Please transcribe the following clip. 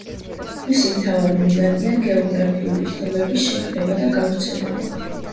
მისი მთავარი მიზანია გეოგრაფიული ცნობების შეკრება და გავრცელება.